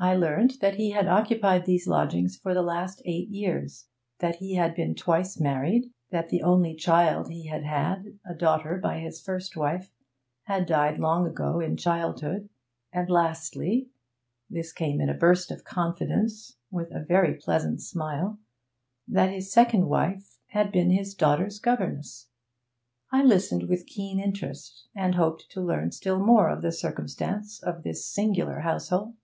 I learnt that he had occupied these lodgings for the last eight years; that he had been twice married; that the only child he had had, a daughter by his first wife, had died long ago in childhood; and lastly this came in a burst of confidence, with a very pleasant smile that his second wife had been his daughter's governess. I listened with keen interest, and hoped to learn still more of the circumstances of this singular household.